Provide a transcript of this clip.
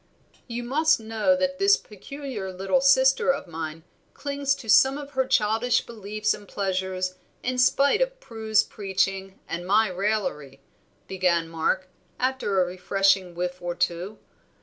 "You must know that this peculiar little sister of mine clings to some of her childish beliefs and pleasures in spite of Prue's preaching and my raillery," began Mark, after a refreshing whiff or two.